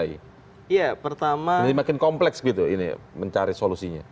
ini makin kompleks gitu mencari solusinya